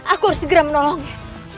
aku harus segera menolongnya